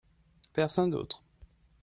Personne d'autre.